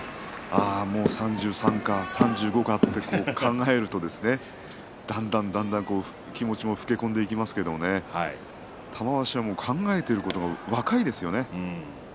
もう３３か４５かと考えるとだんだん、だんだん気持ちも老け込んできますけど玉鷲は考えていることが若いですよね。